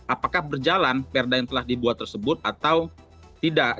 apakah berjalan perda yang telah dibuat tersebut atau tidak